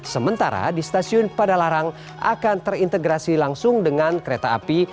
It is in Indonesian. sementara di stasiun padalarang akan terintegrasi langsung dengan kereta api